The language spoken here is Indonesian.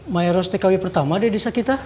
mayros tkw pertama deh di sakita